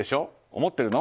思ってるの？